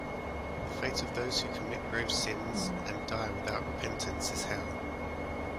The fate of those who commit grave sins and die without repentance is Hell.